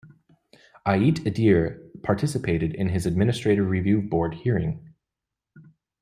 Ait Idir participated in his Administrative Review Board hearing.